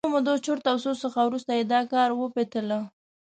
له مودو مودو چرت او سوچ څخه وروسته یې دا کار وپتېله.